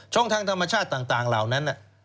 ทางธรรมชาติต่างเหล่านั้น